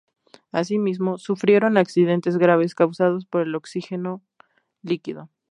Asimismo, sufrieron accidentes graves causados por el oxígeno líquido.